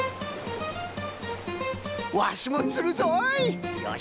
ワシもつるぞい！